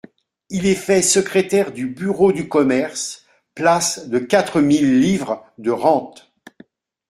Il est fait secrétaire du bureau du commerce, place de quatre mille livres de rente.